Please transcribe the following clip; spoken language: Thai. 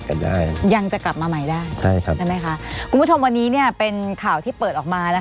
ยังจะกลับมาใหม่ได้ได้ไหมคะคุณผู้ชมวันนี้เป็นข่าวที่เปิดออกมา